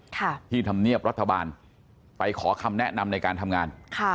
ที่ทำเนียบรัฐบาลไปขอคำแนะนำในการทำงาน